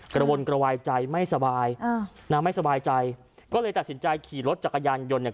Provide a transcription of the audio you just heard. กระวนกระวายใจไม่สบายอ่านางไม่สบายใจก็เลยตัดสินใจขี่รถจักรยานยนต์เนี่ย